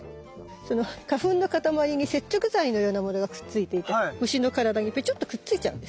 その花粉のかたまりに接着剤のようなものがくっついていて虫の体にペチョっとくっついちゃうんです。